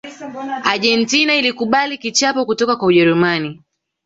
argentina ilikubali kichapo kutoka kwa ujerumani